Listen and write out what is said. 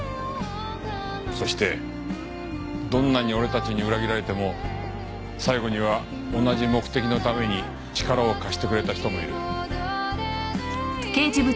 そしてどんなに俺たちに裏切られても最後には同じ目的のために力を貸してくれた人もいる。